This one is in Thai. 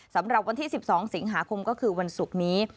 สำหรับวันที่๑๒สิงหาคมก็คือวันศุกร์นี้